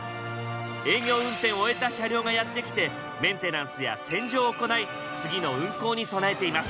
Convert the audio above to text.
営業運転を終えた車両がやって来てメンテナンスや洗浄を行い次の運行に備えています。